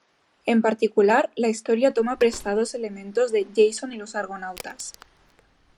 En particular, la historia toma prestados elementos de "Jason y los argonautas".